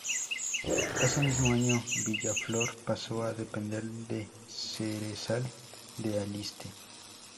Ese mismo año, Villaflor pasó a depender de Cerezal de Aliste.